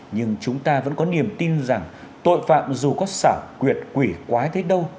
nhưng chúng ta vẫn có niềm tin rằng tội phạm dù có xảo quyệt quỷ quái thấy đâu